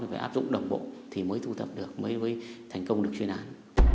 phải áp dụng đồng bộ thì mới thu thập được mới mới thành công được chuyên án